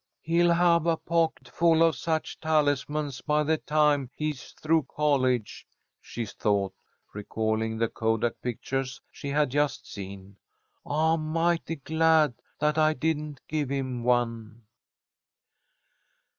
"He'll have a pocket full of such talismans by the time he's through college," she thought, recalling the kodak pictures she had just seen. "I'm mighty glad that I didn't give him one."